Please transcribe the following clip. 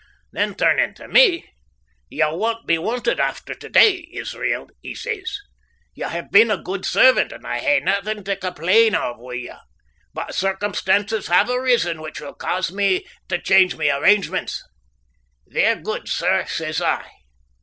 Then turnin' tae me "You won't be wanted after to day, Israel," he says; "you have been a guid servant, and I ha' naething tae complain of wi' ye, but circumstances have arisen which will cause me tae change my arrangements." "Vera guid, sir," says I.